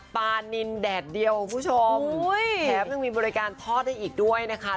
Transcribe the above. ปลานินแดดเดียวคุณผู้ชมแถมยังมีบริการทอดได้อีกด้วยนะคะ